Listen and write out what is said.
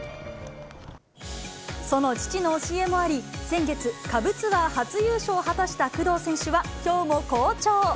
その父の教えもあり、先月、下部ツアー初優勝を果たした工藤選手は、きょうも好調。